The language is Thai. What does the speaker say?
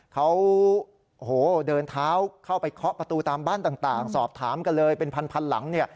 เขาเดินเท้าเข้าไปเคาะประตูตามบ้านต่างสอบถามกันเลยเป็นพันหลังเนี่ย